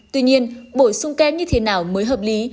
tuy nhiên bổ sung kén như thế nào mới hợp lý